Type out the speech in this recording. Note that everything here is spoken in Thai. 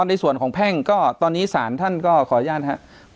ในส่วนของแพ่งก็ตอนนี้สารท่านก็ขออนุญาตครับ